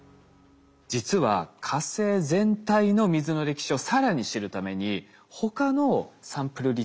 実は火星全体の水の歴史を更に知るために他のサンプルリターンの計画もあるんです。